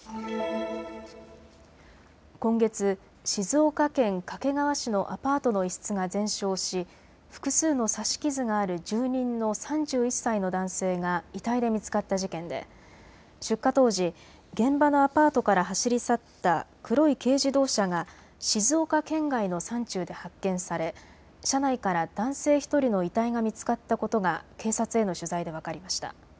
今月、静岡県掛川市のアパートの一室が全焼し複数の刺し傷がある住人の３１歳の男性が遺体で見つかった事件で出火当時、現場のアパートから走り去った黒い軽自動車が静岡県外の山中で発見され車内から男性１人の遺体が見つかったことが警察への取材で分かりました。